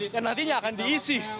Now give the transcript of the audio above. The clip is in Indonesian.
dan nantinya akan diisi